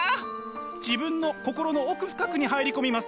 自分の心の奥深くに入り込みます。